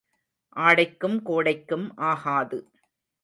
ஆடைக்கும் கோடைக்கும் ஆகாது.